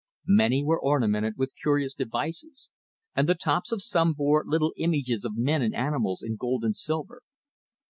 Many were ornamented with curious devices, and the tops of some bore little images of men and animals in gold and silver.